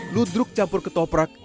ludruk campur ketoprak